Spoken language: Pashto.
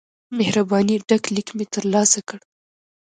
مهربانی ډک لیک مې ترلاسه کړ.